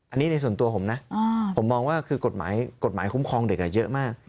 อันนี้ในส่วนตัวผมนะผมมองว่าคือกฎหมายคุ้มครองเด็กเยอะมาก